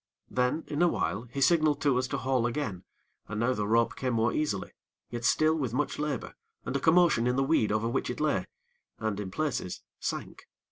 Then, in a while he signaled to us to haul again, and now the rope came more easily; yet still with much labor, and a commotion in the weed over which it lay and, in places, sank.